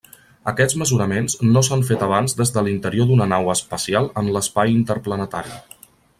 Aquests mesuraments no s'han fet abans des de l'interior d'una nau espacial en l'espai interplanetari.